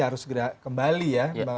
harus segera kembali ya